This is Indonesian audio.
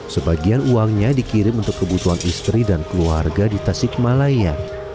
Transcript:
sebagian uangnya dikirim untuk kebutuhan istri dan keluarga di tasikmalaya